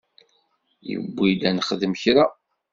Yewwi-d ad nexdem kra.